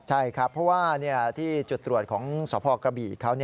ใช่ครับเพราะว่าที่จุดตรวจของสพกระบี่เขา